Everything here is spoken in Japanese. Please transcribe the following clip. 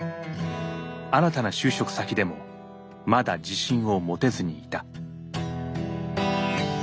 新たな就職先でもまだ自信を持てずにいた。